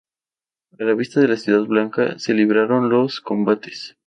A la vista de la ciudad blanca se libraron los combates.